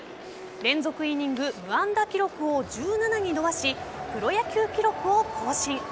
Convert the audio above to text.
連続イニング無安打記録を１７に伸ばしプロ野球記録を更新。